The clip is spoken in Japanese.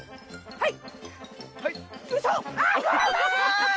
はい。